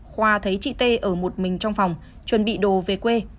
khoa thấy chị t ở một mình trong phòng chuẩn bị đồ về quê